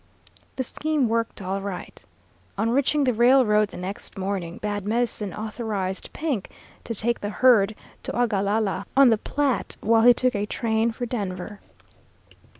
"The scheme worked all right. On reaching the railroad the next morning, Bad Medicine authorized Pink to take the herd to Ogalalla on the Platte, while he took a train for Denver.